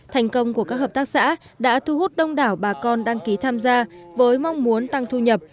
thành công của các hợp tác xã đã thu hút đông đảo bà con đăng ký tham gia với mong muốn tăng thu nhập